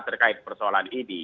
terkait persoalan ini